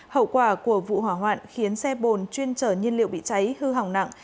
hậu quả của vụ hỏa hoạn khiến xe bồn chuyên chở nhiên liệu bị cháy hư hỏng nặng